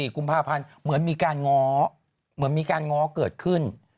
๑๔กุมภาพันธุ์เหมือนมีการง้อเกิดขึ้น